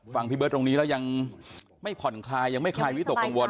พี่เบิร์ดตรงนี้แล้วยังไม่ผ่อนคลายยังไม่คลายวิตกกังวล